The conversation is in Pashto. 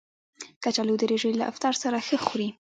کچالو د روژې له افطار سره ښه خوري